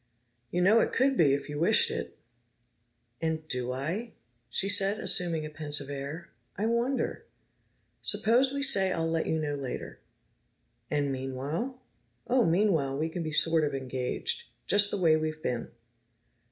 "You know it could be, if you wished it!" "And do I?" she said, assuming a pensive air. "I wonder. Suppose we say I'll let you know later." "And meanwhile?" "Oh, meanwhile we can be sort of engaged. Just the way we've been."